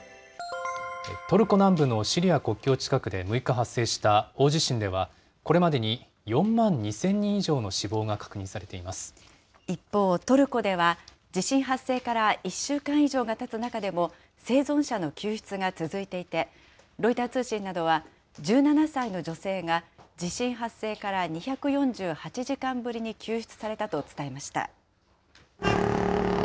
トルコ南部のシリア国境近くで６日発生した大地震では、これまでに４万２０００人以上の死亡が確一方、トルコでは地震発生から１週間以上がたつ中でも、生存者の救出が続いていて、ロイター通信などは、１７歳の女性が地震発生から２４８時間ぶりに救出されたと伝えました。